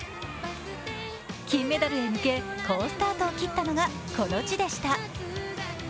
金メダルへ向け、好スタートを切ったのが、この地でした。